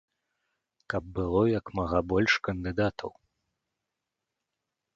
Каб было як мага больш кандыдатаў.